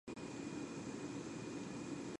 The Oaks were owned in part by pop singer Pat Boone.